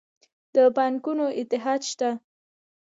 د بانکونو اتحادیه شته؟